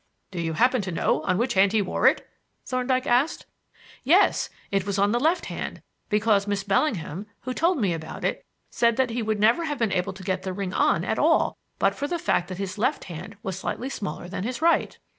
"Do you happen to know on which hand he wore it?" Thorndyke asked. "Yes. It was on the left hand; because Miss Bellingham, who told me about it, said that he would never have been able to get the ring on at all but for the fact that his left hand was slightly smaller than his right."